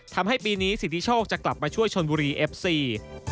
ทำให้ปีนี้สิทธิโชคจะกลับมาช่วยชนบุรีเอฟซี